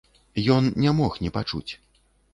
Ён не мог не пачуць.